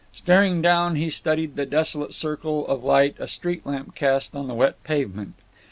Staring down, he studied the desolate circle of light a street lamp cast on the wet pavement.